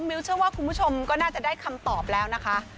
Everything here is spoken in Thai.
มิ้วเชื่อว่าคุณผู้ชมก็น่าจะได้คำตอบแล้วนะคะ